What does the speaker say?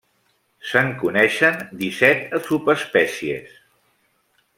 Se'n coneixen disset subespècies.